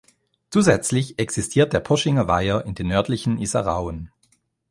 Zusätzlich existiert der Poschinger Weiher in den nördlichen Isarauen.